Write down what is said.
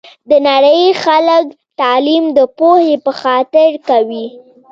د نړۍ خلګ تعلیم د پوهي په خاطر کوي